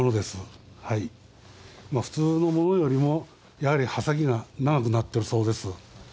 普通のものよりもやはり刃先が長くなってるそうです。